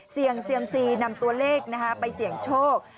เสี่ยงเซียมซีนำตัวเลขไปเสี่ยงโชค